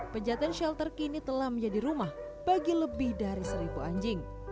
pejaten shelter kini telah menjadi rumah bagi lebih dari seribu anjing